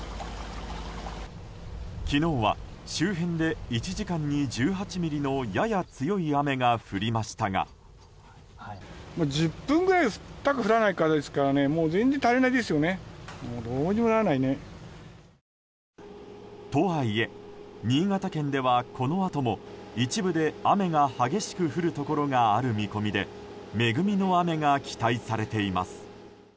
昨日は周辺で１時間に１８ミリのやや強い雨が降りましたがとはいえ新潟県ではこのあとも一部で雨が激しく降るところがある見込みで恵みの雨が期待されています。